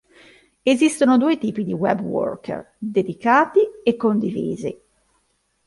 Esistono due tipi di web worker: dedicati e condivisi.